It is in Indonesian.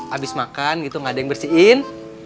abis makan gitu ga ada yang bersihin